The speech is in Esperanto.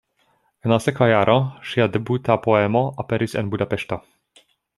En la sekva jaro ŝia debuta poemo aperis en Budapeŝto.